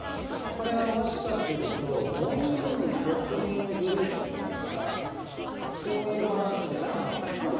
これはもしかすると５人６人グループとかだったらこういうバランスじゃなかったかもしれないです。